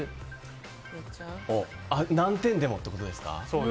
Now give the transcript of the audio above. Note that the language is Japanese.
何点でもってことですか。